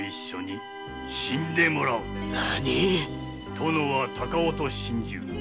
殿は高尾と心中。